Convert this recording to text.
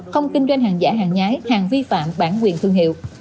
không kinh doanh hàng giả hàng nhái hàng vi phạm bản quyền thương hiệu